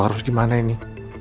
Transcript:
harus gimana ini